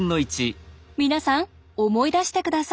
皆さん思い出して下さい。